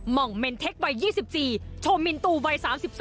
องเมนเทควัย๒๔โชมินตูวัย๓๒